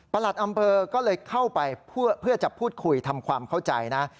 หลัดอำเภอก็เลยเข้าไปเพื่อจะพูดคุยทำความเข้าใจนะ